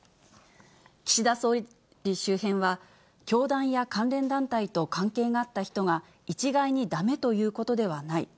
岸田総理周辺は、教団や関連団体と関係があった人が一概にだめということではない。